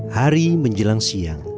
hari menjelang siang